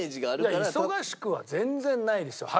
いや忙しくは全然ないですよ。